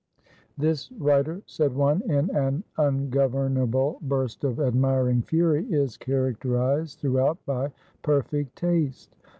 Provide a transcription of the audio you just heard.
"This writer," said one, in an ungovernable burst of admiring fury "is characterized throughout by Perfect Taste."